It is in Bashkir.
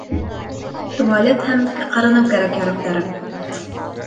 Туалет һәм ҡырыныу кәрәк-яраҡтары